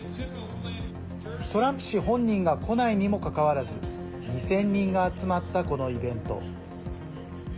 トランプ氏本人が来ないにもかかわらず２０００人が集まったこのイベント。